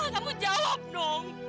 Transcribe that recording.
kamu jawab dong